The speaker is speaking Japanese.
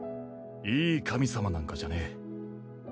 いい神様なんかじゃねえ。